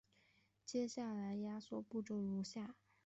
接下来的压缩步骤如下。